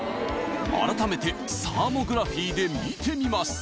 改めてサーモグラフィーで見てみます